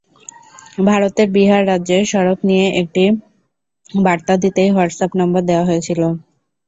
ভারতের বিহার রাজ্যের সড়ক নিয়ে একটি বার্তা দিতেই হোয়াটস অ্যাপ নম্বর দেওয়া হয়েছিল।